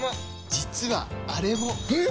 実はあれも！え！？